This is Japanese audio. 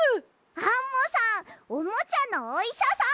アンモさんおもちゃのおいしゃさんみたい！